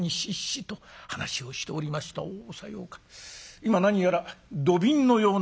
今何やら土瓶のような」。